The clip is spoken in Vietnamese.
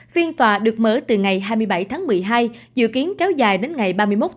phiên tòa được mở từ ngày hai mươi bảy tháng một mươi hai dự kiến kéo dài đến ngày ba mươi